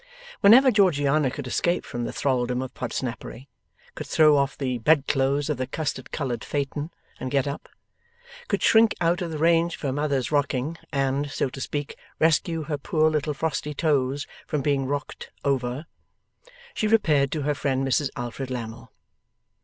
Whenever Georgiana could escape from the thraldom of Podsnappery; could throw off the bedclothes of the custard coloured phaeton, and get up; could shrink out of the range of her mother's rocking, and (so to speak) rescue her poor little frosty toes from being rocked over; she repaired to her friend, Mrs Alfred Lammle.